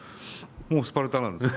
もうスパルタなんですか？